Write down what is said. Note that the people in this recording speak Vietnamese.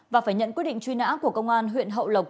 và phải nhận quyết định truy nã của công an huyện hậu lộc